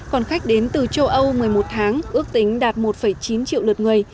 còn khách đến từ châu âu một mươi một tháng ước tính đạt một chín triệu lượt người